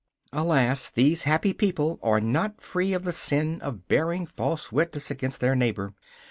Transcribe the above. Alas, these happy people are not free of the sin of bearing false witness against their neighbour.